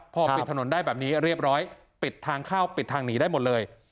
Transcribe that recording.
พอปิดถนนได้แบบนี้เรียบร้อยปิดทางเข้าปิดทางหนีได้หมดเลย